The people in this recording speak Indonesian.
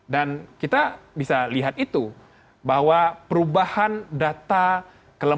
dan kita bisa lihat itu bahwa perubahan data kelemparan